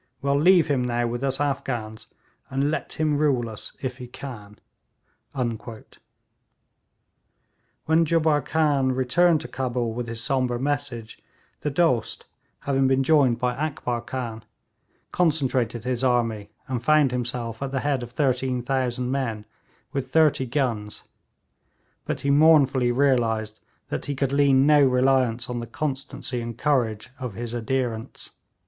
Well, leave him now with us Afghans, and let him rule us if he can.' When Jubbar Khan returned to Cabul with his sombre message, the Dost, having been joined by Akbar Khan, concentrated his army, and found himself at the head of 13,000 men, with thirty guns; but he mournfully realised that he could lean no reliance on the constancy and courage of his adherents.